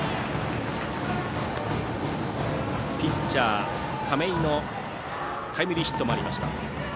ピッチャー、亀井のタイムリーヒットもありました。